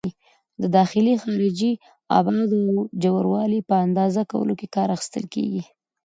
د داخلي، خارجي ابعادو او د ژوروالي په اندازه کولو کې کار اخیستل کېږي.